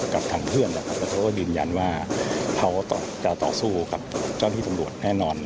กับทางเพื่อนนะครับแล้วเขาก็ยืนยันว่าเขาจะต่อสู้กับเจ้าหน้าที่ตำรวจแน่นอน